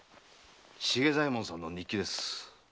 茂左衛門さんの日記です。